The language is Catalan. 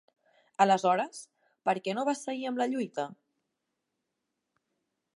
Aleshores per què no vas seguir amb la lluita?